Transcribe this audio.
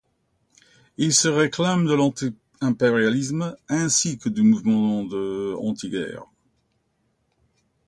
Ils se réclament de l'anti-impérialisme ainsi que du mouvement anti-guerre.